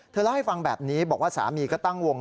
เล่าให้ฟังแบบนี้บอกว่าสามีก็ตั้งวง